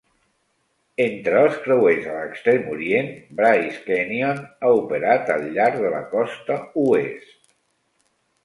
Entre els creuers a l?extrem Orient, "Bryce Canyon" ha operat al llarg de la Costa Oest.